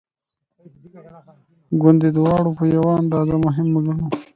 ګوندې دواړه په یوه اندازه مهمه ګڼو.